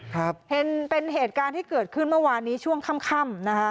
ครับเป็นเหตุการณ์ที่เกิดขึ้นเมื่อวานนี้ช่วงค่ำ